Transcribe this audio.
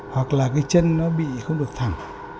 hoặc là cái chân nó bị không được thẳng